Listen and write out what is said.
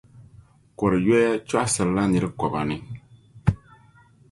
kɔr’ yoya chɔɣisirila nir’ kɔba ni.